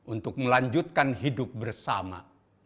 untuk melanjutkan hidup bersama